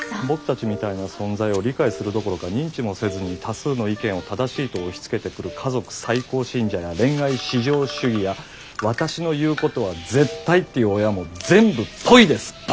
僕たちみたいな存在を理解するどころか認知もせずに多数の意見を正しいと押しつけてくる家族最高信者や恋愛至上主義や私の言うことは絶対っていう親も全部ポイッです！